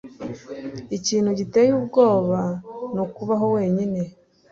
Ikintu giteye ubwoba nukubaho wenyine